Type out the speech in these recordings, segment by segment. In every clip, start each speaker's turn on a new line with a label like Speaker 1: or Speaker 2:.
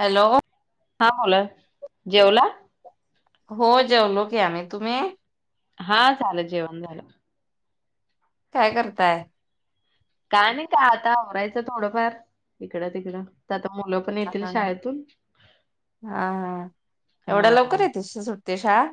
Speaker 1: Hello
Speaker 2: हा बोला जेवला
Speaker 1: हो जेवलो की आम्ही. तुम्ही
Speaker 2: हा झालं जेवण झालं.
Speaker 1: काय करताय?
Speaker 2: काय नाय का आता आवरायचं थोडंफार इकडं तिकडं त्यात
Speaker 1: हा हा एवढा लवकर येतेस तू सुट शाळा.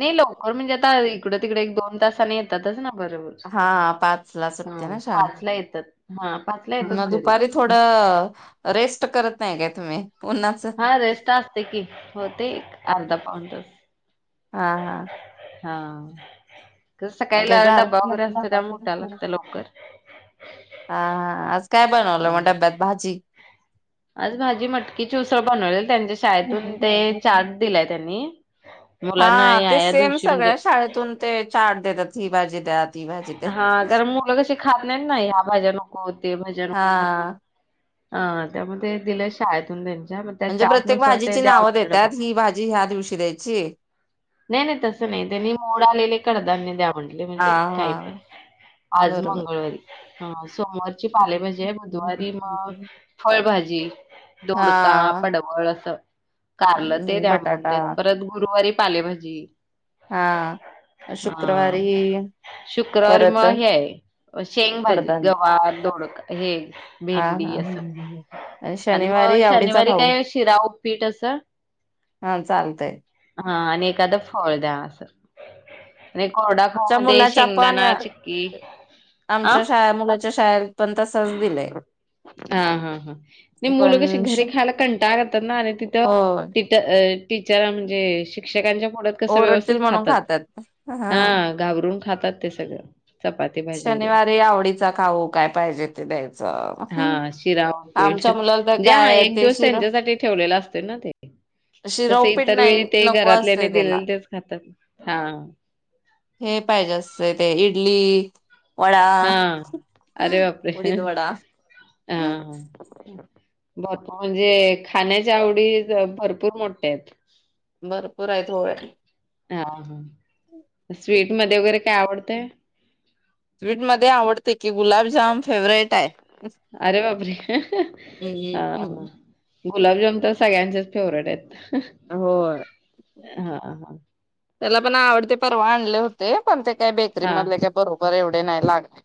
Speaker 2: नेलो. हो म्हणजे आता इकड तिकडे एक दोन तासाने येतातच ना. बरोबर
Speaker 1: हा पाच ला
Speaker 2: हा
Speaker 1: सुटते ना शाळा.
Speaker 2: पाचला येतात हा पाचला येतात
Speaker 1: मग
Speaker 2: घरी
Speaker 1: दुपारी थोडं रेस्ट करत नाही का तुम्ही? उन्हाच
Speaker 2: हा रेस्ट असते की होते एक
Speaker 1: हा
Speaker 2: अर्धा पाऊण तास.
Speaker 1: हा हां.
Speaker 2: हां. सकाळीला
Speaker 1: झाल
Speaker 2: डबा वगैरे असतो त्या मुळ उठाव
Speaker 1: हा
Speaker 2: लागत लवकर.
Speaker 1: हा आज काय
Speaker 2: हा
Speaker 1: बनवलं मग डब्यात भाजी
Speaker 2: आज भाजी मटकीची उसळं बनवलेल त्यांच्या शाळेतून ते चार्ट दिलाय त्यांनी. मुलांना
Speaker 1: हा
Speaker 2: या
Speaker 1: ते
Speaker 2: या
Speaker 1: सेम
Speaker 2: दिवशी म्हणजे
Speaker 1: सगळ्या शाळेतून ते चार्ट देतात ही भाजी त्यात
Speaker 2: हा कारण मुलं कशी खात नाहीत ना ह्या भाज्या नको ते भाज्या नको करतात.
Speaker 1: हा
Speaker 2: अं त्यामुळे ते दिलेय शाळेतून त्यांच्या मग त्या
Speaker 1: म्हणजे प्रत्येक
Speaker 2: चार्टनुसार ते
Speaker 1: भाजीची
Speaker 2: द्यावं
Speaker 1: नावं
Speaker 2: लागतं डबा.
Speaker 1: देतात ही भाजी ह्या दिवशी द्यायची.
Speaker 2: नाही नाही तसं नाही, त्यांनी मोड आलेले कडधान्य द्या म्हटले
Speaker 1: हा
Speaker 2: म्हणजे काही पण
Speaker 1: हा
Speaker 2: आज
Speaker 1: बरोबर
Speaker 2: मंगळवारी. हां. सोमवारची पालेभाजी आहे, बुधवारी मग फळभाजी, दोडका,
Speaker 1: हा
Speaker 2: पडवळ असं कारलं ते
Speaker 1: हम्म
Speaker 2: द्या
Speaker 1: बटाटा
Speaker 2: म्हलेत परत गुरुवारी. पालेभाजी.
Speaker 1: हा
Speaker 2: हा.
Speaker 1: शुक्रवारी
Speaker 2: शुक्रवारी
Speaker 1: परत
Speaker 2: मग हे आहे शेंग भाजी,
Speaker 1: कडधान्य
Speaker 2: गवार, दोडका हे
Speaker 1: हा हा
Speaker 2: भेंडी असं आणि मग
Speaker 1: शनिवारी आवडीचा
Speaker 2: शनिवारी
Speaker 1: खाऊ
Speaker 2: काय शिरा, ऊपीठ असं.
Speaker 1: हा चालतय
Speaker 2: हा आणि एखादं फळ द्या असं. आणि कोरडा खाऊ
Speaker 1: आमच्या
Speaker 2: मध्ये
Speaker 1: मुलाच्या पण
Speaker 2: शेंगदाणा चिक्की हा!
Speaker 1: आमच्या शाळा मुलाच्या शाळेत पण तसच दिलंय
Speaker 2: हा हा ह नाही मुल कशी
Speaker 1: पण श
Speaker 2: घरी खायला कंटाळा करतात ना आणि तिथं
Speaker 1: हो
Speaker 2: तिट टीचर म्हणजे. शिक्षकांच्या. कसं व्यवस्थित
Speaker 1: ओरडतील म्हणून खातात. हम्म
Speaker 2: हा घाबरून खातात ते सगळं. चपाती भाजी वगैरे
Speaker 1: शनिवारी आवडीचा खाऊ काय पाहिजे ते द्यायचं.
Speaker 2: हा शिरा उपीट
Speaker 1: आमच्या मुलाला तर
Speaker 2: म्हणजे हा
Speaker 1: काय
Speaker 2: एक
Speaker 1: ते
Speaker 2: दिवस
Speaker 1: शिर
Speaker 2: त्यांच्यासाठी ठेवलेला असतोय ना ते
Speaker 1: शिरा
Speaker 2: कसे
Speaker 1: उपीठ
Speaker 2: इतर
Speaker 1: नाही
Speaker 2: वेळी ते
Speaker 1: नको असते
Speaker 2: घरातल्याने
Speaker 1: त्याला.
Speaker 2: दिलेले तेच खातात. हा
Speaker 1: हे पाहिजे असतय ते इडली वडा
Speaker 2: हा अरे बापरे!
Speaker 1: उडीद वडा
Speaker 2: हा हं. भरपूर म्हणजे खाण्याच्या आवडी भरपूर मोठ्यायत.
Speaker 1: भरपूर आहेत होय.
Speaker 2: हा हां. स्वीट. मध्ये वगैरे काय आवडतयं.
Speaker 1: स्वीट मध्ये आवडतयं की गुलाबजाम फेवरेट हाय.
Speaker 2: अरे बापरे हम्म. गुलाबजाम तर सगळ्यांचेच फेवरेट आहेत.
Speaker 1: होय.
Speaker 2: हा हां.
Speaker 1: त्याला पण आवडतेय परवा आणले होते पण ते काय बेकरी
Speaker 2: हां.
Speaker 1: मला काय बर बरं एवढे नाही लागत.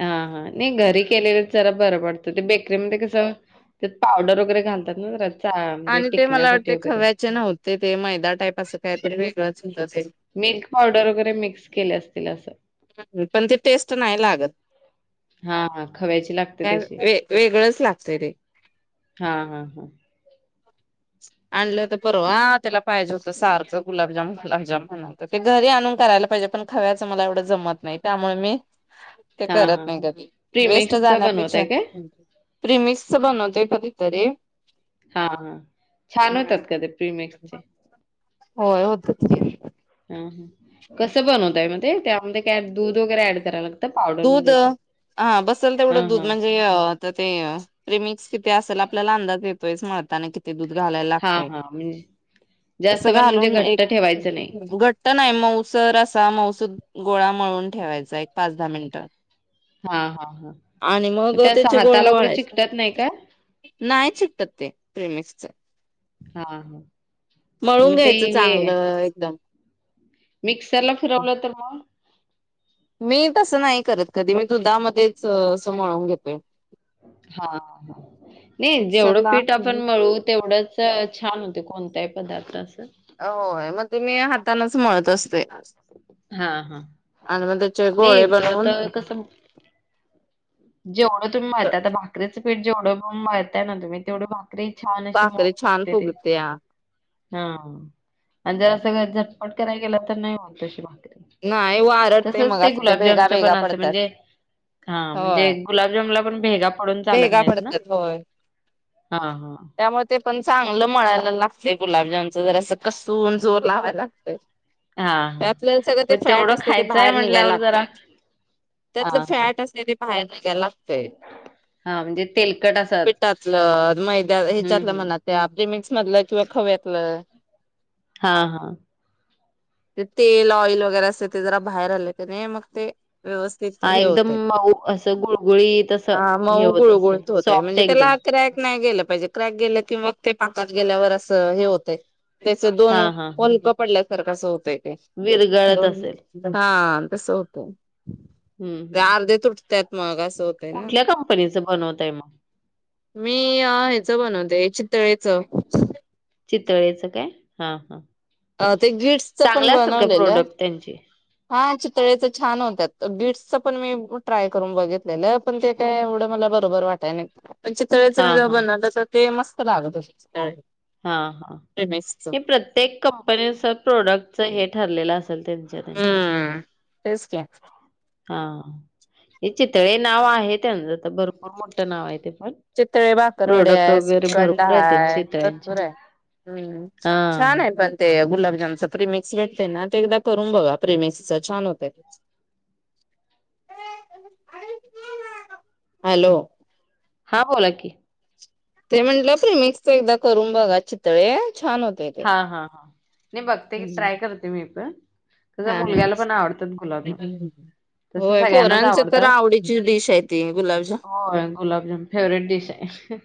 Speaker 2: हा हा नाही घरी केलेलं जरा बरं पडतं ते बेकरीमध्ये कसं त्यात पावडर वगैरे घालतात ना चा म्हणजे
Speaker 1: आणि ते मला
Speaker 2: टिकण्यासाठी
Speaker 1: वाटते
Speaker 2: वगैरे.
Speaker 1: खव्याचे नव्हते ते मैदा टाईप असं कायतरी वेगळंच होत ते
Speaker 2: मिल्क पावडर वगैरे मिक्स केले असतील असं.
Speaker 1: ह पण ती टेस्ट नाही लागत. [inaudible]
Speaker 2: हा हा खवायची लागते
Speaker 1: काय
Speaker 2: तशी
Speaker 1: वे वेगळंच लागतंय ते.
Speaker 2: हा हा हा.
Speaker 1: [inaudible] आणलं तर परवा त्याला पाहिजे होतं सारखं गुलाबजाम गुलाबजाम. ते घरी आणून करायला पाहिजे पण खाव्याचं मला एवढं जमत नाही त्यामुळे मी ते
Speaker 2: हां,
Speaker 1: करत
Speaker 2: हां,
Speaker 1: नाही
Speaker 2: हां.
Speaker 1: कधी वेस्ट
Speaker 2: प्रीमिक्सचा
Speaker 1: जाण्यापेक्षा
Speaker 2: बनवताय काय?
Speaker 1: प्रिमिक्सच बनवतेय कधीतरी
Speaker 2: हां. छान
Speaker 1: हम्म.
Speaker 2: होतात का ते प्रीमिक्सचे?
Speaker 1: होय होतेत की.
Speaker 2: कसं बनवताय मग ते त्यामध्ये काय दूध वगैरे ऍड करायला लाग
Speaker 1: दूध हा बसेल
Speaker 2: हां,
Speaker 1: तेवढं दूध
Speaker 2: हां.
Speaker 1: म्हणजे आता ते प्रेमिक्स किती असल आपल्याला अंदाज येत तोच मळताना की दूध घालायला
Speaker 2: हां,
Speaker 1: लागत
Speaker 2: हां. म्हणजे
Speaker 1: तस
Speaker 2: जास्त पण म्हणजे
Speaker 1: घालून एक
Speaker 2: घट्ट ठेवायचं नाही.
Speaker 1: घट्ट नाही मऊसर असा मऊसू गोळाळून ठेवायचा एक पाच ा मिनिटात
Speaker 2: हां, हां, हां.
Speaker 1: आणि मग
Speaker 2: ते असं
Speaker 1: त्याचे गोळे
Speaker 2: हाताला वगैरे
Speaker 1: वळायचे
Speaker 2: चिकटत नाही का?
Speaker 1: नाही चिकतत ते प्रेमच
Speaker 2: हा हा
Speaker 1: मळून घ्यायचं चांगलं एकदम
Speaker 2: मिक्सरला फिरवलं तर मग
Speaker 1: मी तसं नाही करत कधी मी दुधामध्येच अस म्हळून घेतोय
Speaker 2: हा ह नाही जेवढं
Speaker 1: मिक्सरला
Speaker 2: पीठ आपण मळू तेवढंच छान होत कोणतही पदार्रा असं
Speaker 1: हो मग तुम्ही हाताना त असते
Speaker 2: हां, हां.
Speaker 1: आणि मग त्याचे
Speaker 2: नाही
Speaker 1: गोळे
Speaker 2: तो आता
Speaker 1: बनवून
Speaker 2: जे ओढ तु्ही म्हहातता भाकरे जेवढ पणहताय ना तुम्ही तेवढं री छान अे
Speaker 1: भाकरी
Speaker 2: मग
Speaker 1: छान
Speaker 2: फुकते ते
Speaker 1: फुगत्या.
Speaker 2: हा आणि जरा सळ झटपट करायला गेलं तर नाही म्होलतो शि ब
Speaker 1: नाही वारटते मग अस ते भेगा
Speaker 2: गुलाबजामचं
Speaker 1: भेगा पडतात हो
Speaker 2: जे गुलाबजम ला आपण भहेग
Speaker 1: भेगा पडत्यात होय
Speaker 2: हां, हां.
Speaker 1: त्यामुळे ते पण चांगलं मळायला लागतेय गुलाबजामनच जरा अस कसून जोर लावाला लागतं
Speaker 2: हां, हां.
Speaker 1: त्यातलं सगळं ते
Speaker 2: मग
Speaker 1: फॅट
Speaker 2: तेवढं
Speaker 1: असते ते
Speaker 2: खायचं आहे
Speaker 1: बाहेर निघायला
Speaker 2: म्हटल्यावर जरा
Speaker 1: लागतय त्यातलं
Speaker 2: हां, हां.
Speaker 1: फॅट असत ते बाहेर निघायला लागतय
Speaker 2: हां, म्हणजे तेलकट असं
Speaker 1: पिटातलं मैद्या
Speaker 2: हम्म
Speaker 1: ह्याच्यातलं
Speaker 2: हम्म.
Speaker 1: म्हणत आपलेमिक्स मधलं किंवा खव्यातलं हा
Speaker 2: हा हा
Speaker 1: ते तेल ऑइल वगैरे असते ते जरा बाहेर आले नाही मग ते व्यवस्थित
Speaker 2: हा
Speaker 1: हे
Speaker 2: एकदम
Speaker 1: होतंय.
Speaker 2: मऊ असं गुळगुळी तस
Speaker 1: म गुळ गुळत होतय म्हणजे त्याला हक नाही गे पाहिजे क्रॅक गे किंवा ते पाकात गेल्यावर असं हे होतं त्याच दोन
Speaker 2: हां, हां, हां.
Speaker 1: पलका पडलं तर कसं होतें
Speaker 2: विरगळत असेल.
Speaker 1: न हा कस होत
Speaker 2: हं,
Speaker 1: ते
Speaker 2: हं.
Speaker 1: अर्धे तुटत्यात. मागास होताना
Speaker 2: कुठल्या कंपनीचं बनवताय मग?
Speaker 1: मी ह्याच बनवते. ते चितळेच.
Speaker 2: चितळेचं काय हा हा.
Speaker 1: अ ते गिट्सच पण बनवलेलं.
Speaker 2: प्रोडक्ट त्यांचे?
Speaker 1: हा चितळेच छान होत्या गिटसच पण मी ट्राय करून बघितलेलं पण ते काय एवढं मला बरोबर वाटाय नाही. पण चितळेचे मी
Speaker 2: हां,
Speaker 1: जेव्हा
Speaker 2: हां.
Speaker 1: बनवलं ते मस्त लागत होत
Speaker 2: हा हा
Speaker 1: प्रेमिक्सच
Speaker 2: हे प्रत्येक कप कंपनीचं प्रोडक्टच हे ठरलेलं असत त्यांच्या त्यांच्यात
Speaker 1: हम्म तेच की
Speaker 2: हा हा हे चितळे नाव आहे त्याचं, तर भरपूर मोठं नाव आहे ते पण.
Speaker 1: चितळे भाकरवडे
Speaker 2: प्रोडक्ट
Speaker 1: आहेत,
Speaker 2: वगैरे
Speaker 1: श्रीखंड
Speaker 2: भरपूर आहेत त्यांचे
Speaker 1: हाय
Speaker 2: चितळ्यांचे.
Speaker 1: बरं आहे
Speaker 2: हां.
Speaker 1: छान आहे पण ते गुलाब म्हणजे त्याचं प्रमिक्स भेटत ना ते एकदा करून बघा प्रमिक्स छान होतंय हॅलो
Speaker 2: हा बोला की.
Speaker 1: ते म्हणल प्रीमिक्सच एकदा करून बघा चितळे छान होते ते.
Speaker 2: हा हा हा नाही बघते की ट्राय करते मी पण. तस
Speaker 1: हा हा
Speaker 2: मुलग्याला पण आवडतात गुलाबजाम. तस
Speaker 1: होय
Speaker 2: सगळ्यांनाच
Speaker 1: पोरांच तर
Speaker 2: आवडतात.
Speaker 1: आवडीची डिश आहे ती गुलाबजाम
Speaker 2: होय गुलाबजाम फेवरेट डिश आहे.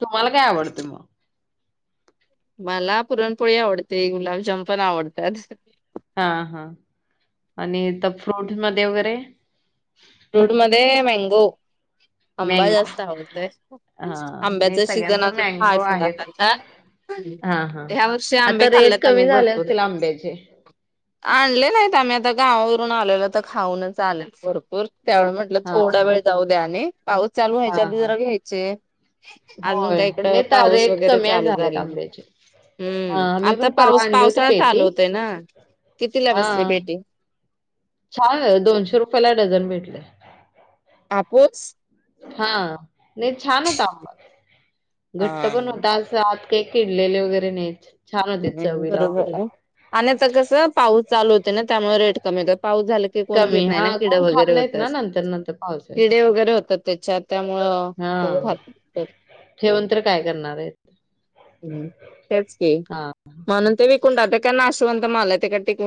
Speaker 2: तुम्हाला काय आवडतं मग?
Speaker 1: मला पुरणपोळी आवडते, गुलाबजाम पण आवडतात.
Speaker 2: हा हा आणि इथं फ्रूट मधे वगैरे?
Speaker 1: फ्रुट मध्ये मँंगो. आंबा
Speaker 2: मँगो
Speaker 1: जास्त आवडतय
Speaker 2: हा नाही
Speaker 1: आंब्याचा सीजन
Speaker 2: सगळ्यांच
Speaker 1: अजून हाय
Speaker 2: मँगो
Speaker 1: थोडा
Speaker 2: आहेच
Speaker 1: फार.
Speaker 2: हा हा
Speaker 1: ह्या वर्षी आंबे
Speaker 2: आता रेट
Speaker 1: खाल्लेत आम्ही
Speaker 2: कमी झाले
Speaker 1: भरपूर.
Speaker 2: असतील आंब्याचे
Speaker 1: आणले नाहीत आम्ही आता गावावरून आलेलो तर खाऊनच आलोत भरपूर त्यावेळी म्हटलं
Speaker 2: हा
Speaker 1: थोडा
Speaker 2: हा
Speaker 1: वेळ जाऊ द्या आणि पाऊस चालू
Speaker 2: हा
Speaker 1: व्हायच्या आधी
Speaker 2: हा
Speaker 1: जरा घ्यायचे. अजून
Speaker 2: होय
Speaker 1: काय इकड
Speaker 2: नाही तर
Speaker 1: पाऊस
Speaker 2: रेट
Speaker 1: वगैरे
Speaker 2: कमी
Speaker 1: चालू
Speaker 2: झालेत
Speaker 1: झाला नाही.
Speaker 2: आंब्याचे हा
Speaker 1: हम्म
Speaker 2: मी
Speaker 1: आता
Speaker 2: पण परवा
Speaker 1: पाऊस
Speaker 2: आणली होती
Speaker 1: पावसाळा चालू
Speaker 2: पेटी
Speaker 1: होतय ना. किती ला बसली
Speaker 2: हा
Speaker 1: पेटी?
Speaker 2: छान दोनशे रुपयाला डझन भेटले.
Speaker 1: हापूस
Speaker 2: हा नाही छान होता आंबा
Speaker 1: हा
Speaker 2: घट्ट पण होता. असा आत ते किडलेले वगैरे नाहीत छान होते
Speaker 1: हम्म
Speaker 2: चवीला
Speaker 1: बरोबर
Speaker 2: वगैरे.
Speaker 1: आहे आणि आता कस पाऊस चालू है ना त्यामुळे रेट कमी पाऊस झाला की कोण
Speaker 2: कमी
Speaker 1: घेत नाही ना
Speaker 2: हां,
Speaker 1: किड
Speaker 2: कोण खात
Speaker 1: वगैरे
Speaker 2: नाहीत
Speaker 1: होतात.
Speaker 2: ना नंतर-नंतर पावसाळ्यात.
Speaker 1: किडे वगैरे होतात त्याच्यात त्यामुळं कोण
Speaker 2: हां,
Speaker 1: खात
Speaker 2: ठेवून तर काय करणार आहेत?
Speaker 1: हम्म तेच की
Speaker 2: हां.
Speaker 1: म्हणून ते विकून टाकते कारण अशे कोणत माल ते काय टिकते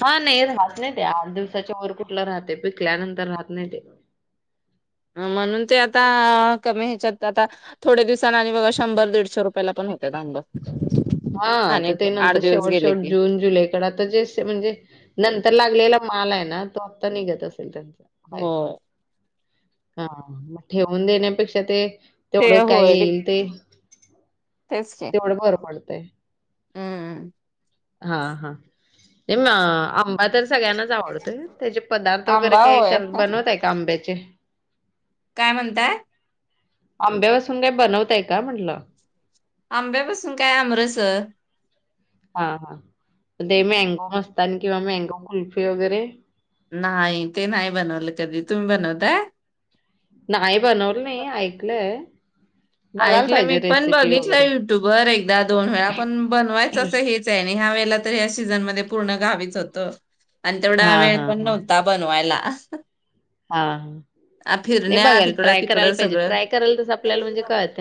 Speaker 2: हा नाही राहत नाही ते आठ दिवसाच्या वर कुठलं राहते पिकल्यानंतर तर राहत नाही ते
Speaker 1: म्हणून ते आता कमी ह्याच्यात आता थोड्या दिवसाने आणि बघा शंभर दीडशे रुपयाला पण होतात आंब
Speaker 2: हा तर
Speaker 1: आणि
Speaker 2: ते
Speaker 1: आठ
Speaker 2: नंतर
Speaker 1: दिवस
Speaker 2: शेवट
Speaker 1: गेले
Speaker 2: शेवट
Speaker 1: की
Speaker 2: जून जुलै कडे आता जे म्हणजे, नंतर लागलेला माल आहे ना ना तो आता निघत असेल त्यां
Speaker 1: हो.
Speaker 2: हा मग ठेवून देण्यापेक्षा ते
Speaker 1: ते
Speaker 2: तेवढं काय
Speaker 1: होय
Speaker 2: येईल ते तेवढं बर पडत ते
Speaker 1: हम्मम
Speaker 2: हा हा तेम आंबा तर सगळ्यांनाच आवडतंय त्याचे पदार्थ वगैरे
Speaker 1: आंबा होय
Speaker 2: काही बनवत आहे का आंब्याचे
Speaker 1: काय म्हणताय?
Speaker 2: आंब्यापासून काय बनवतय का म्हटलं?
Speaker 1: आंब्यापासून काय आमरस
Speaker 2: हा, हा ते मँंगो मस्तानी किंवा मँंगो कुल्फी वगैरे
Speaker 1: नाही ते नाही बनवलं कधी तुम्ही बनवताय
Speaker 2: नाही बनवलं नाही ऐकलंय? बघायला
Speaker 1: ऐकलं मी
Speaker 2: पाहिजे
Speaker 1: पण
Speaker 2: रेसिपी
Speaker 1: बघितलं
Speaker 2: वगैरे.
Speaker 1: युट्यूबर एकदा दोन वेळा पण बनवायच असं हेच आहे ह्या वेळे तर सीझन मध्ये पूर्ण गावीच होतो आणि तेवढा
Speaker 2: हां,
Speaker 1: वेळ पण नव्हता बनवायला. असस्
Speaker 2: हा हा नाही बघाल
Speaker 1: तिकडं
Speaker 2: ट्राय करायला
Speaker 1: तिकडं
Speaker 2: पाहिजे
Speaker 1: सगळं.
Speaker 2: ट्राय करायला तस आपल्याला म्हणजे कळत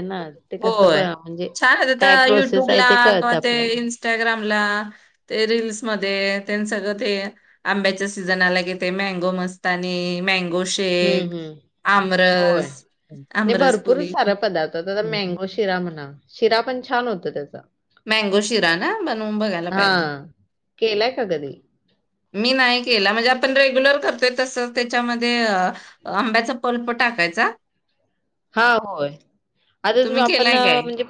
Speaker 1: होय, छान आहे ते
Speaker 2: काय प्रोसेस आहे
Speaker 1: युट्यूबला
Speaker 2: ते
Speaker 1: कि
Speaker 2: कळतं
Speaker 1: ते
Speaker 2: आपल्याला.
Speaker 1: इनस्टाग्रामला, ते रिल्समधे सगळं ते आंब्याच्या सिझनाला येत मँगो मस्तानी, मँगो
Speaker 2: हम्म
Speaker 1: शेक,
Speaker 2: हम्म. होय.
Speaker 1: आमरस,
Speaker 2: नाही भरपूर
Speaker 1: आमरसपुरी
Speaker 2: सारा पदार्थ मँगो शिरा म्हणा शिरा पण छान होत त्याचा
Speaker 1: मँगो शिरा ना बनवून बघायला
Speaker 2: हा
Speaker 1: पाहिजे?
Speaker 2: केलाय का कधी?
Speaker 1: मी नाही केला म्हणजे आपण रेग्युलर करतोय तसं त्याच्यामध्ये आंब्याचा पल्प टाकायचा?
Speaker 2: हा, होय, आताच
Speaker 1: तुम्ही
Speaker 2: आपण
Speaker 1: केलाय काय?
Speaker 2: म्हणजे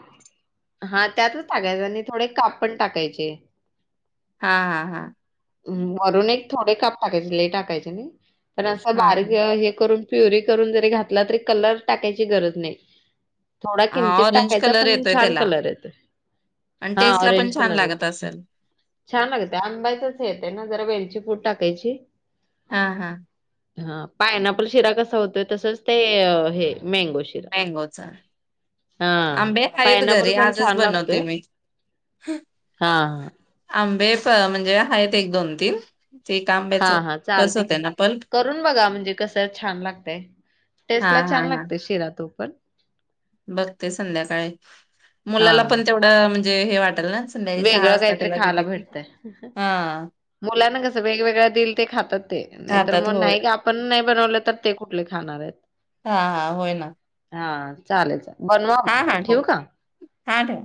Speaker 2: हा त्यातच टाकायचं आणि थोडे काप पण टाकायचे
Speaker 1: हा-हा- हा
Speaker 2: वरून एक थोडे काप टाकायचे लय टाकायचे नाही. पण असं
Speaker 1: हां,
Speaker 2: [unintelligible] हे करून प्युरी करून जरी घातला तरी कलर टाकायची गरज नाही थोडा
Speaker 1: हां.
Speaker 2: किंचित
Speaker 1: ऑरेंज
Speaker 2: टाकायचा
Speaker 1: कलर
Speaker 2: पण
Speaker 1: येतोय
Speaker 2: छान
Speaker 1: त्याला
Speaker 2: कलर येतो.
Speaker 1: आणि
Speaker 2: हा
Speaker 1: टेस्टला पण
Speaker 2: ऑरेंज
Speaker 1: छान
Speaker 2: कलर
Speaker 1: लागत
Speaker 2: येतो.
Speaker 1: असेल.
Speaker 2: छान लागते आंब्याचंच येतय ना जरा वेलची पुड टाकायची
Speaker 1: हां, हां.
Speaker 2: हा, पायनपल शिरा कसा असतो, तसंच ते हे, मँगो शिरा.
Speaker 1: मँंगोचा,
Speaker 2: हा
Speaker 1: आंबे आहेत
Speaker 2: पायनॅपल
Speaker 1: घरी
Speaker 2: पण
Speaker 1: आजच
Speaker 2: छान
Speaker 1: बनवते
Speaker 2: लागतोय.
Speaker 1: मी.
Speaker 2: हा
Speaker 1: आंबे तर, म्हणजे आहेत- आहेत एक, दोन, तीन ते
Speaker 2: हा- हा, चालते की
Speaker 1: पल्प.
Speaker 2: करून बघा, म्हणजे कस छान लागते टेस्टला,
Speaker 1: हां,
Speaker 2: छान
Speaker 1: हां, हां.
Speaker 2: लागते शिरा, तूप पण
Speaker 1: बघते संध्याकाळी,
Speaker 2: हा
Speaker 1: मुलाला पण तेवढा म्हणजे हे, वाट
Speaker 2: वेगळं काहीतरी खायला मिळाले,
Speaker 1: हां.
Speaker 2: मुलांना कसं वेगवेगळ दिल ते खातात ते नाहीतर
Speaker 1: खातात
Speaker 2: मग,
Speaker 1: होय.
Speaker 2: नाही तर आपण नाही बनवलं तर ते कुठले खाणार आहेत?
Speaker 1: हां हां होय ना.
Speaker 2: हा चालेल- चालेल बनवा मग, ठेऊ का?
Speaker 1: ठठ [inaudible]